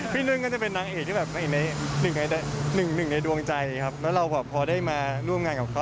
พี่นุ้นก็จะเป็นนางเอกที่ครึ่งในดวงใจครับเมื่อเราพอได้มาร่วมงานกับเขา